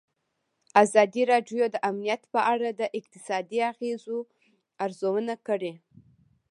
ازادي راډیو د امنیت په اړه د اقتصادي اغېزو ارزونه کړې.